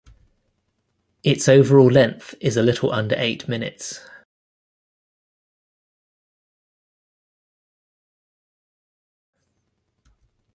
Its overall length is a little under eight minutes.